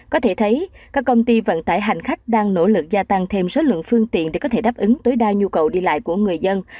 có thể thấy các công ty vận tải hành khách đang nỗ lực gia tăng thêm số lượng phương tiện để có thể đáp ứng tối đa nhu cầu đi lại của người dân